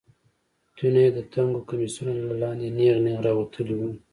تيونه يې د تنګو کميسونو له لاندې نېغ نېغ راوتلي وو.